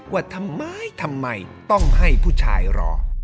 ว่าทำไมทำไมต้องให้ผู้ชายรอ